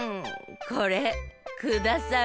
これくださる？